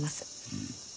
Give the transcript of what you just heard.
うん。